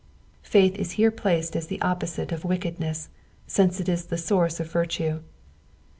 Faith is here placed as the opposite of wickedness, since it is the source of virtue.